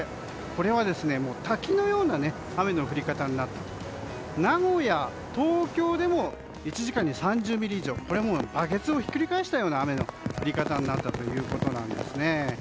これは滝のような雨の降り方になって名古屋、東京でも１時間に３０ミリ以上これもバケツをひっくり返したような雨の降り方になったということなんですね。